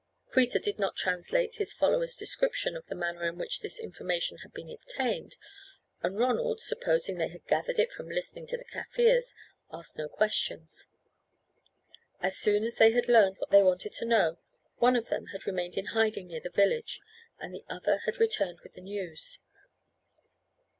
Kreta did not translate his followers' description of the manner in which this information had been obtained, and Ronald, supposing they had gathered it from listening to the Kaffirs, asked no questions. As soon as they had learned what they wanted to know, one of them had remained in hiding near the village, and the other had returned with the news.